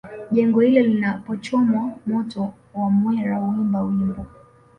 Jengo hilo linapochomwa moto wamwera huimba wimbo